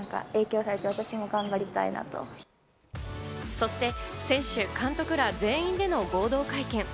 そして選手・監督ら全員での合同会見。